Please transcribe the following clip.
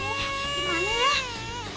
aduh gimana ya